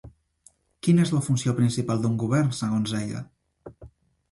Quina és la funció principal d'un govern, segons ella?